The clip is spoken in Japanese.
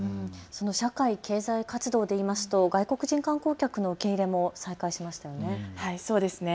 その社会経済活動でいいますと外国人観光客の受け入れも再開しましたよね。